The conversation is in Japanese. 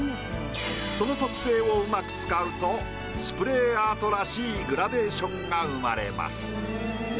その特性をうまく使うとスプレーアートらしいグラデーションが生まれます。